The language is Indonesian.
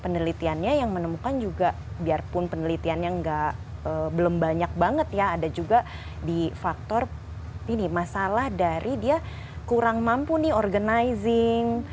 penelitiannya yang menemukan juga biarpun penelitiannya belum banyak banget ya ada juga di faktor ini masalah dari dia kurang mampu nih organizing